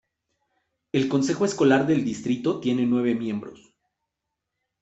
El consejo escolar del distrito tiene nueve miembros.